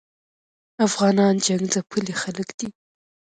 افغانان جنګ ځپلي خلګ دي